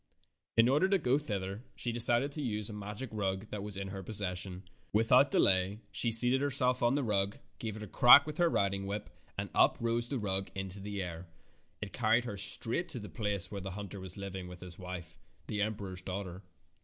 In order to go thither she decided to use a magic rug that was in her possession. Without delay she seated her self on the rug, gave it a crack with her riding whip, and up rose the rug into the air. It carried her straight to the place where the hunter was living with his wife, the emperor's daughter.